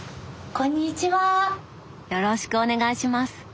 よろしくお願いします。